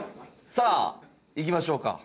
さあいきましょうか。